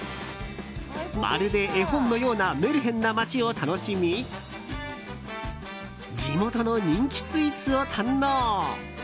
まるで絵本のようなメルヘンな街を楽しみ地元の人気スイーツを堪能。